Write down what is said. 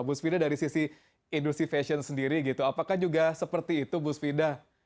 bu svida dari sisi industri fashion sendiri gitu apakah juga seperti itu bu svida